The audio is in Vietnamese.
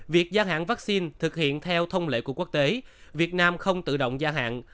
việc gia hạn vaccine thực hiện theo thông lệ của quốc tế việt nam không tự động gia hạn